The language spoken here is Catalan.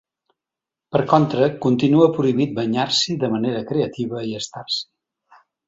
Per contra, continua prohibit banyar-s’hi de manera creativa i estar-s’hi.